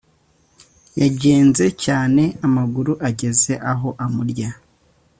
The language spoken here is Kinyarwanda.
yagenze cyane amaguru ageza aho amurya